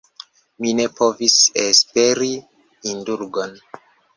Mi ne povis esperi indulgon.